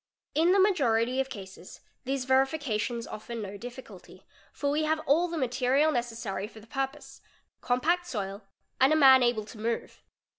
7 In the majority of cases these verifications offer no difficulty, for we _ have all the material necessary for the purpose: compact soil and a man able to move.